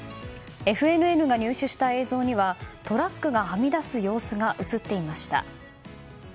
ＦＮＮが入手した映像にはトラックがはみ出す様子が映っていました。